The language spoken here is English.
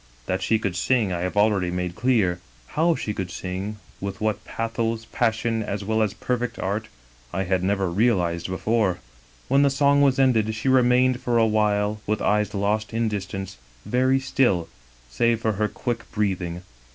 That she could sing I have already made clear: how she could sing, with what pathos, passion, as well as perfect art, I had never reaUzed before. "When the song was ended she remained for a while, with eyes lost in distance, very still, save for her quick breathing.